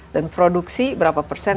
dan produksi berapa persen